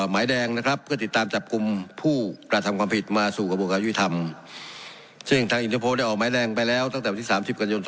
หญิงเจ้าโพธิ์ได้ออกไม้แรงไปแล้วตั้งแต่วันที่๓๐กันยนต์๒๖๓